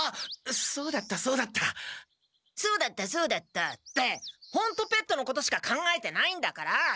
「そうだったそうだった」ってほんとペットのことしか考えてないんだから。